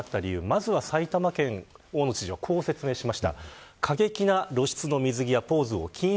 まずは埼玉県の大野知事はこう説明しました。